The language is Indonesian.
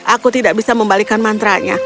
aku tidak bisa membalikkan mantra nya